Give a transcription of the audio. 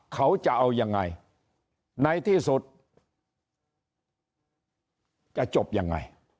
เขาจะเอายังไงในที่สุดจะจบยังไง